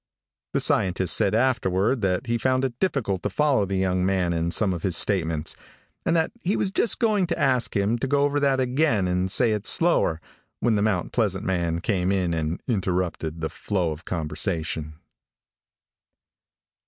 The scientist said afterward that he found it difficult to follow the young man in some of his statements and that he was just going to ask him to go over that again and say it slower, when the Mount Pleasant man came in and interrupted the flow of conversation.